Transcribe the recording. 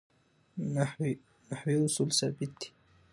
نحوي اصول ثابت دي.